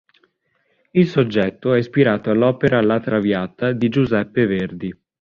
Il soggetto è ispirato all'opera "La traviata" di Giuseppe Verdi.